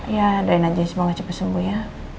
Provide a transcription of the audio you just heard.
ya adain aja semoga cepet sembuh ya